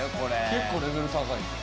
結構レベル高いな。